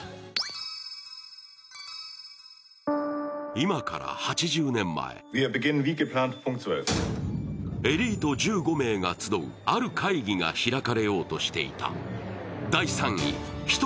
今から８０年前エリート１５名が集うある会議が開かれようとしていた。